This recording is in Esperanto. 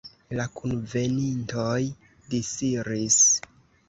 La kunvenintoj disiris.